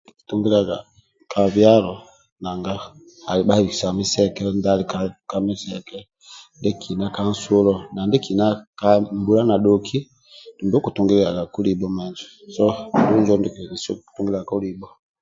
Okutungilaga ka byalo nanga babhisa kamiseke ndyekina ka nsulo nadyekinna ka mbula na dhoki dhumbi okitungulyagaku mbula